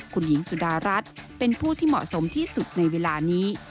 คุณหญิงสุดารัฐเป็นผู้ที่เหมาะสมที่สุดในเวลานี้